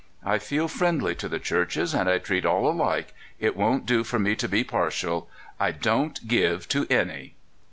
I feel friendly to the Churches, and I treat all alike — it won't do for me to be partial — I don' t give to any!